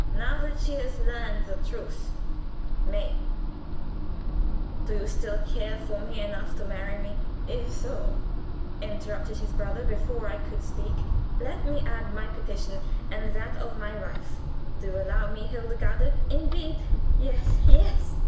Now that she has learned the truth May, do you still care for me enough to marry me?" "If so," interrupted his brother before I could speak, "let me add my petition and that of my wife do you allow me, Hildegarde?" "Indeed, yes, yes!"